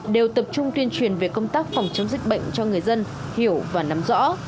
đều tập trung tuyên truyền về công tác phòng chống dịch bệnh cho người dân hiểu và nắm rõ